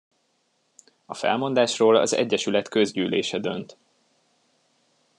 A felmondásról az egyesület közgyűlése dönt.